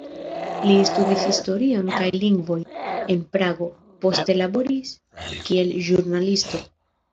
Li studis historion kaj lingvojn en Prago, poste laboris kiel ĵurnalisto.